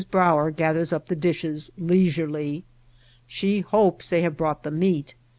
Brauer gathers up the dishes leisurely. She hopes they have brought the meat.